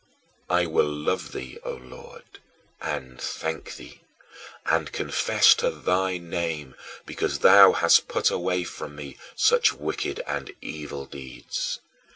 I will love thee, O Lord, and thank thee, and confess to thy name, because thou hast put away from me such wicked and evil deeds.